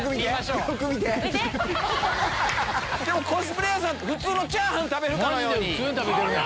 コスプレーヤーさん普通のチャーハン食べるかのように。